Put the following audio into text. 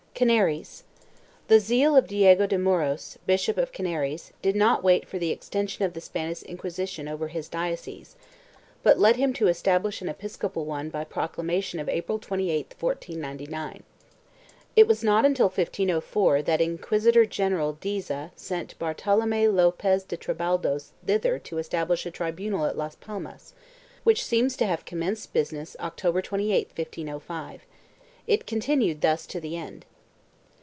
2 CANARIES. The zeal of Diego de Muros, Bishop of Canaries, did not wait for the extension of the Spanish Inquisition over his diocese, but led him to establish an episcopal one by proclamation of April 28, 1499. It was not until 1504 that Inquisitor general Deza sent Bartolome Lopez de Tribaldos thither to establish a tribunal at Las Palmas, which seems to have commenced business Oct. 28, 1505. It continued thus to the end.